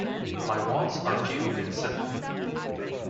My wants are few and simple.